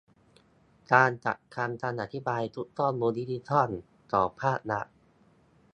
การจัดทำคำอธิบายชุดข้อมูลดิจิทัลของภาครัฐ